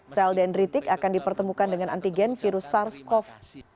sel dendritik akan dipertemukan dengan antigen virus sars cov dua